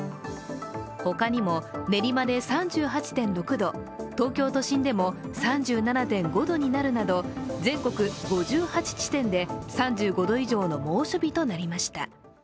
ほかにも、練馬で３８．６度、東京都心でも３７．５度になるなど、全国３８地点で３５度以上の猛暑日となりました。